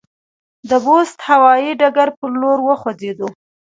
د بُست هوایي ډګر پر لور وخوځېدو.